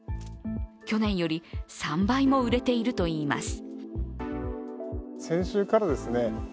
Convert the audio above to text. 去年より３倍も売れているといいます。